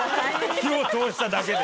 火を通しただけで。